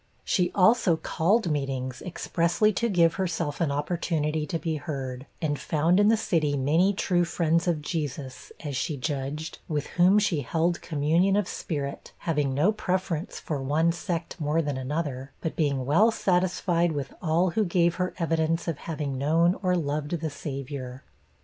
She also called meetings expressly to give herself an opportunity to be heard; and found in the city many true friends of Jesus, as she judged, with whom she held communion of spirit, having no preference for one sect more than another, but being well satisfied with all who gave her evidence of having known or loved the Saviour.